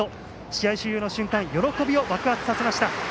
試合終了の瞬間喜びを爆発させました。